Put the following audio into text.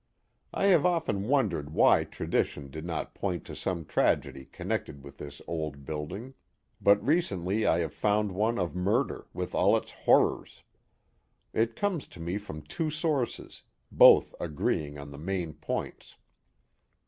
I have often wondered why tradition did not point to some tragedy connected with this old building, but recently I have found one of murder with all its horrors. It comes to me from two sources, both agreeing on the main points.